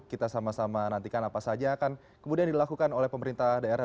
kita sama sama nantikan apa saja akan kemudian dilakukan oleh pemerintah daerah